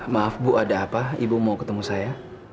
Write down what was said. maaf bu ada apa ibu mau ketemu saya